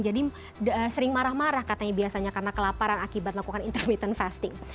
jadi sering marah marah katanya biasanya karena kelaparan akibat melakukan intermittent fasting